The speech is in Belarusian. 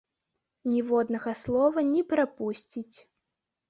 Ніводнага слова не перапусціць.